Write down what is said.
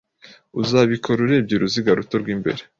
Uzabikora urebye uruziga ruto rw'imbere